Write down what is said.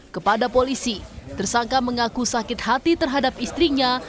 kepada polisi tersangka mengaku sakit hati terhadap istrinya